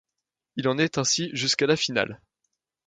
Il en est ainsi jusqu'à la finale.